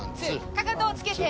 かかとをつけて！